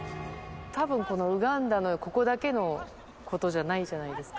たぶんこのウガンダのここだけのことじゃないじゃないですか。